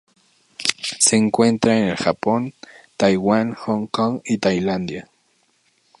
Se encuentra en el Japón, Taiwán, Hong Kong y Tailandia.